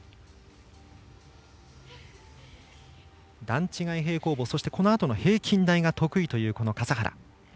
段違い平行棒そして平均台が得意というこの笠原。